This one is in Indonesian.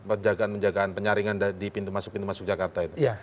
penjagaan penjagaan penyaringan di pintu masuk pintu masuk jakarta itu